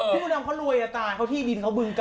พี่บุมาภ์เค้ารวยปุดตายเพราะว่าที่ดินเค้าปรึงตัวอ่ะ